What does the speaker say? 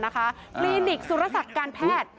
คลินิกสุรศักดิ์การแพทย์